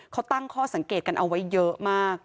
เขาตั้งข้อสังเกตกันเอาไว้เยอะมาก